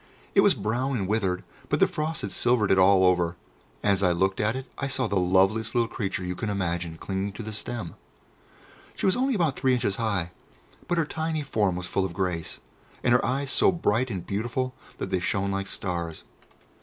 It was brown and withered, but the frost had silvered it all over, and as I looked at it I saw the loveliest little creature you can imagine clinging to the stem. She was only about three inches high, but her tiny form was full of grace, and her eyes so bright and beautiful that they shone like stars.